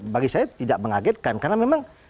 bagi saya tidak mengagetkan karena memang